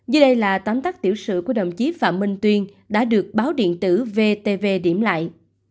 dưới đây là tóm tắt tiểu sử của đồng chí phạm minh tuyên đã được báo điện tử vtv điểm lại